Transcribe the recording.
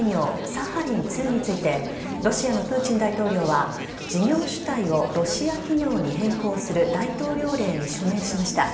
サハリン２についてロシアのプーチン大統領は事業主体をロシア企業に変更する大統領令に署名しました。